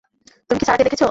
তুমি কি সারাকে দেখেছ?